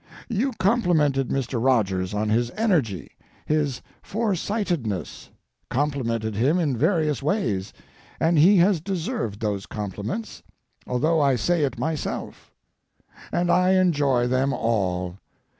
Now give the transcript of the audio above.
You complimented Mr. Rogers on his energy, his foresightedness, complimented him in various ways, and he has deserved those compliments, although I say it myself; and I enjoy them all.